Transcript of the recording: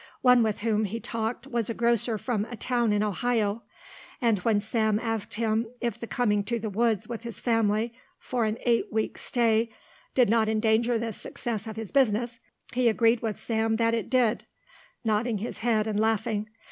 One with whom he talked was a grocer from a town in Ohio, and when Sam asked him if the coming to the woods with his family for an eight weeks stay did not endanger the success of his business he agreed with Sam that it did, nodding his head and laughing.